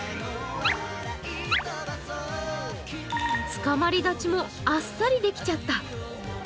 つかまり立ちもあっさりできちゃった。